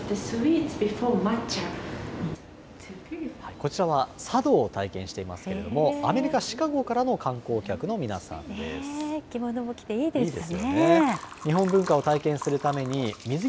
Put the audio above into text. こちらは茶道を体験していますけれども、アメリカ・シカゴからの観光客の皆さんです。